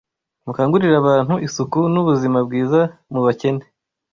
mukangurire abantu isuku n’ubuzima bwiza mu bakene